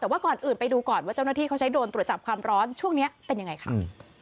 แต่ว่าก่อนอื่นไปดูก่อนว่าเจ้าหน้าที่เขาใช้โดรนตรวจจับความร้อนช่วงนี้เป็นยังไงค่ะ